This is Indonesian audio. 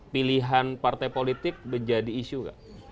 pilihan partai politik menjadi isu gak